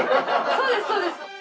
そうですそうです。